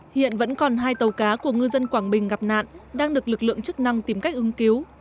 hiện vẫn còn hai tàu cá của ngư dân quảng bình gặp nạn đang được lực lượng chức năng tìm cách ứng cứu